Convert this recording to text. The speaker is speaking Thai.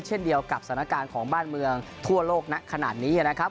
เช่นเดียวกับสถานการณ์ของบ้านเมืองทั่วโลกขนาดนี้นะครับ